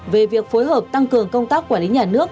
về việc phối hợp tăng cường công tác quản lý nhà nước